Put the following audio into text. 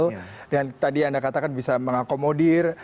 dengan tadi anda katakan bisa mengakomodir